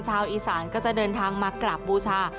ชาวอีสานก็จะเดินทางมากราบบูชา